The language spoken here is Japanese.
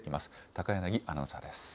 高柳アナウンサーです。